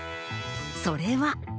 それは。